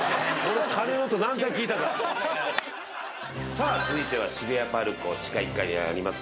さあ続いては渋谷ＰＡＲＣＯ地下１階にあります